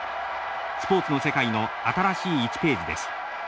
スポーツの世界の新しい１ページです。